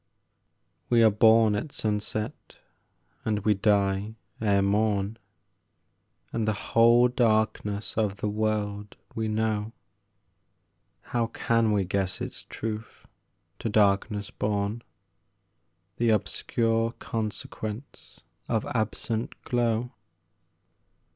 We are born at sunset and we die ere morn, And the whole darkness of the world we know, How can we guess its truth, to darkness born, The obscure consequence of absent glow?